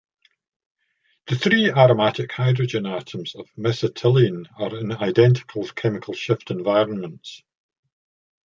The three aromatic hydrogen atoms of mesitylene are in identical chemical shift environments.